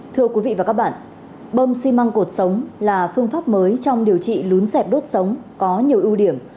thưa quý vị và các bạn bơm xi măng cột sống là phương pháp mới trong điều trị lún dẹp đốt sống có nhiều ưu điểm